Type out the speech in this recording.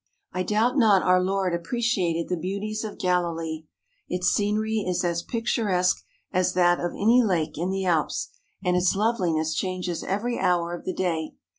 I doubt not our Lord appreciated the beauties of Galilee. Its scenery is as picturesque as that of any lake in the Alps, and its loveliness changes every hour of the day.